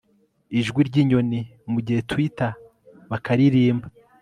ijwi ryinyoni mugihe twitter bakaririmba